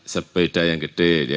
sepeda yang gede